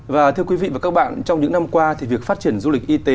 và thưa quý vị và các bạn trong những năm qua thì việc phát triển du lịch y tế